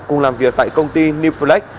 cùng làm việc tại công ty newflex